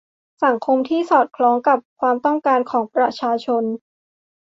สังคมที่สอดคล้องกับความต้องการของประชาชน